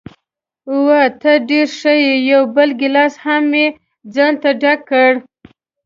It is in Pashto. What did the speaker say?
اوه، ته ډېره ښه یې، یو بل ګیلاس مې هم ځانته ډک کړ.